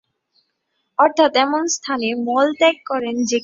অর্থাৎ, এমন স্থানে মলত্যাগ করেন, যেখান মলত্যাগ করলে কোনও জীব আহত হবে না।